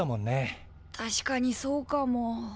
確かにそうかも。